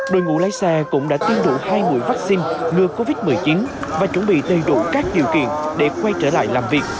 đội ngũ lái xe cũng đã tiêu đủ hai mũi vaccine ngừa covid một mươi chín và chuẩn bị đầy đủ các điều kiện để quay trở lại làm việc